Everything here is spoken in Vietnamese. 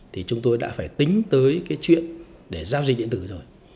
thì chúng tôi đã phải tính tới cái chuyện để giao dịch điện tử rồi